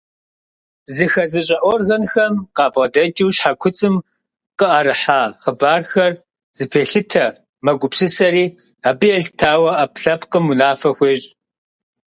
Зыхэзыщӏэ органхэм къабгъэдэкӏыу щхьэкуцӏым къыӏэрыхьа хъыбархэр зэпелъытэ, мэгупсысэри, абы елъытауэ ӏэпкълъэпкъым унафэ хуещӏ.